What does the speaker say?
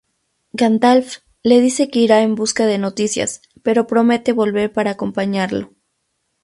Gandalf le dice que irá en busca de noticias, pero promete volver para acompañarlo.